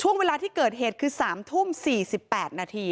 ช่วงเวลาที่เกิดเหตุคือ๓ทุ่ม๔๘นาที